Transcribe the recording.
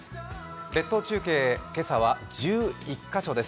列島中継、今朝は１１カ所です。